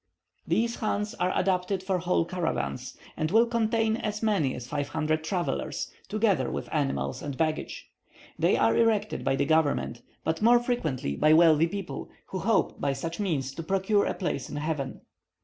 These chans are adapted for whole caravans, and will contain as many as 500 travellers, together with animals and baggage; they are erected by the government, but more frequently by wealthy people, who hope by such means to procure a place in heaven.